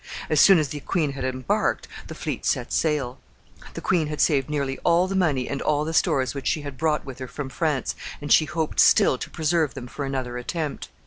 As soon as the queen had embarked, the fleet set sail. The queen had saved nearly all the money and all the stores which she had brought with her from France, and she hoped still to preserve them for another attempt.